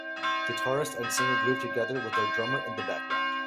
Guitarist and singer groove together, with their drummer in the background.